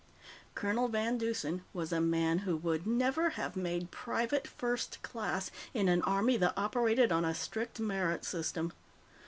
Colonel VanDeusen was a man who would never have made Private First Class in an army that operated on a strict merit system.